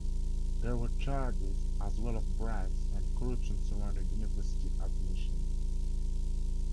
There were charges as well of bribes and corruption surrounding university admissions.